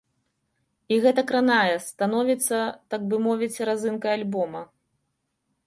І гэта кранае, становіцца, так бы мовіць, разынкай альбома.